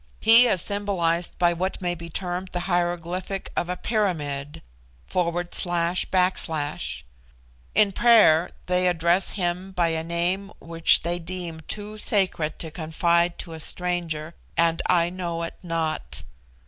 He is symbolized by what may be termed the heiroglyphic of a pyramid, /\. In prayer they address Him by a name which they deem too sacred to confide to a stranger, and I know it not.